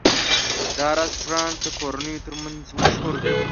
دا رستورانت د کورنیو تر منځ مشهور دی.